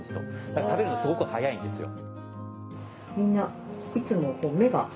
だから食べるのすごく速いんですよ。